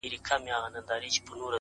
حالاتو دغه حد ته راوسته ه ياره~